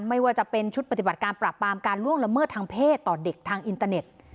ไม่ว่าจะเป็นชุดปฏิบัติการปราบปรามการล่วงละเมิดทางเพศต่อเด็กทางอินเตอร์เน็ต